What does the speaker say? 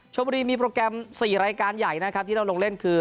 ชมบุรีมีโปรแกรม๔รายการใหญ่นะครับที่ต้องลงเล่นคือ